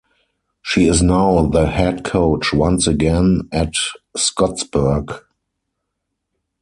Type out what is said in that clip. She is now the head coach once again at Scottsburg.